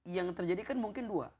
yang terjadi kan mungkin dua